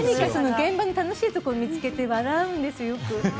現場の楽しいところを見つけて笑うんです。